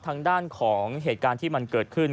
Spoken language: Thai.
ทางด้านของเหตุการณ์ที่มันเกิดขึ้น